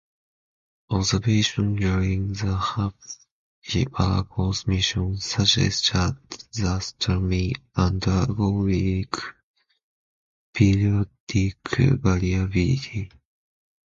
Observation during the Hipparcos mission suggest that the star may undergo weak periodic variability.